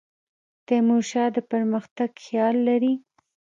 تیمور شاه د پرمختګ خیال لري.